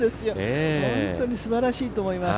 本当にすばらしいと思います。